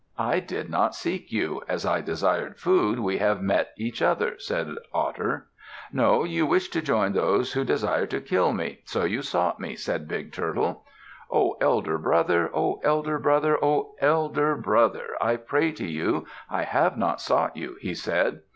"I did not seek you. As I desired food, we have met each other," said Otter. "No, you wished to join those who desire to kill me, so you sought me," said Big Turtle. "O elder brother! O elder brother! O elder brother! I pray to you. I have not sought you," he said.